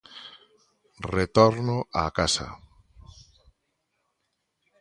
Retorno a casa